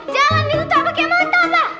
jangan ditutup pakai motobah